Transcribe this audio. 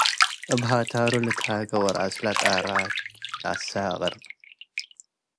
እብ ህታሩ ልትሃጌ - ወረአስለ ጣራት ለአሰቅር፣